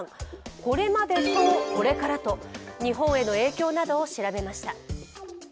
これまでとこれからと、日本への影響を調べました。